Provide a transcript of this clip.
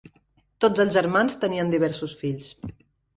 Tots els germans tenien diversos fills.